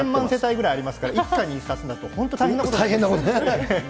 ５０００万世帯ぐらいありますから、一家に１冊だと、本当大変なことに。